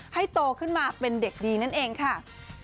โตขึ้นมาเป็นเด็กดีนั่นเองค่ะ